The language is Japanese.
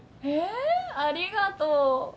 えぇありがとう。